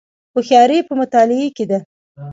هوښیاري په مطالعې کې ده